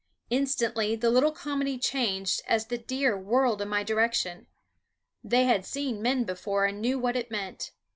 Instantly the little comedy changed as the deer whirled in my direction. They had seen men before and knew what it meant.